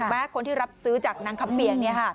คนที่รับซื้อจากนางคำเปียก